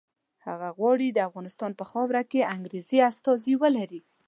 هغه غواړي د افغانستان په خاوره کې انګریزي استازي ولري.